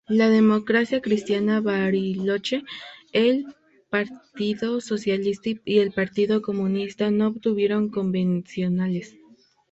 La Democracia Cristiana Bariloche, el Partido Socialista y el Partido Comunista no obtuvieron convencionales.